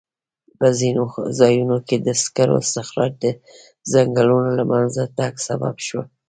په ځینو ځایونو کې د سکرو استخراج د ځنګلونو له منځه تګ سبب شوی.